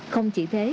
không chỉ thế